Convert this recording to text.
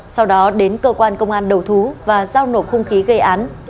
sau đó đến cơ quan công an đầu thú và giao nổ khung khí gây án